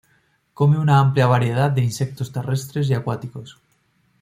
Come una amplia variedad de insectos terrestres y acuáticos.